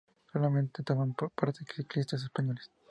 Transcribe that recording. Solamente tomaban parte ciclistas españoles.